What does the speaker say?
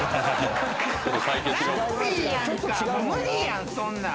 無理やんそんなん。